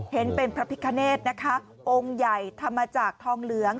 เห็นเป็นพระพิคเนธนะคะองค์ใหญ่ทำมาจากทองเหลือง